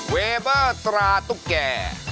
เวเบอร์ตราตุ๊กแก่